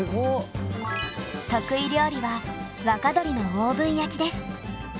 得意料理は若鶏のオーブン焼きです。